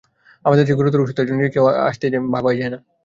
আমাদের দেশে গুরুতর অসুস্থ একজনকে দেখতে কেউ আসবে না তা ভাবাই যায় না।